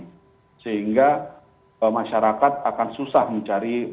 jadi sehingga masyarakat akan susah mencari